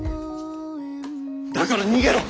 だから逃げろ。